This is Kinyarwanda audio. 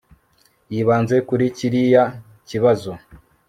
Yibanze kuri kiriya kibazo